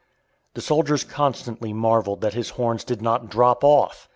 The soldiers constantly marveled that his horns did not drop off.